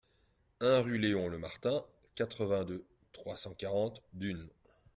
un rue Léon Lemartin, quatre-vingt-deux, trois cent quarante, Dunes